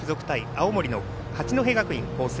青森の八戸学院光星。